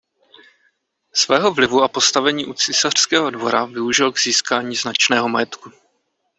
Svého vlivu a postavení u císařského dvora využil k získání značného majetku.